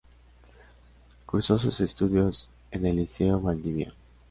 Cursó sus estudios en el Liceo Valdivia.